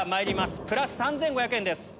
プラス３５００円です。